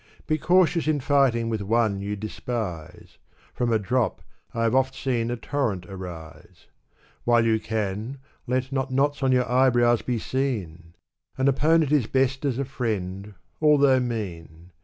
Be cautious in fighting with one you despise ! From a drop, I have oft seen a torrent arise. While you can, let not knots on your eyebrows be seen! An opponent is best as a friend, although mean.